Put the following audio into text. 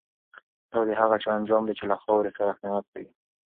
دا د هغه چا انجام دی چي له خاوري سره خیانت کوي.